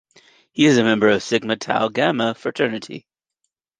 He is a member of Sigma Tau Gamma fraternity.